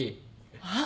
あっ。